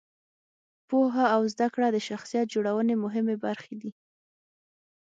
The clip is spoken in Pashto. پوهه او زده کړه د شخصیت جوړونې مهمې برخې دي.